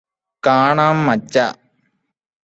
കാണാം മച്ചാ